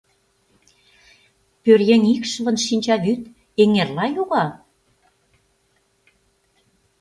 Пӧръеҥ икшывын шинчавӱд эҥерла йога?